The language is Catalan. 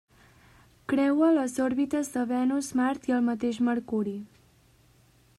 Creua les òrbites de Venus, Mart i el mateix Mercuri.